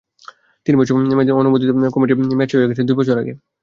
তিন বছর মেয়াদি অনুমোদিত কমিটির মেয়াদ শেষ হয়ে গেছে দুই বছর আগে।